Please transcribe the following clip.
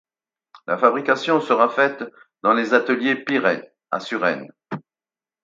La fabrication sera faite dans les ateliers Peyret à Suresnes.